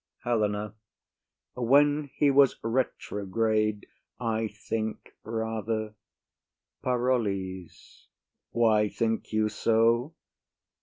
HELENA. When he was retrograde, I think rather. PAROLLES. Why think you so?